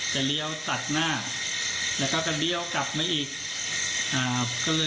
เลี้ยวตัดหน้าแล้วก็จะเลี้ยวกลับมาอีกอ่าคือ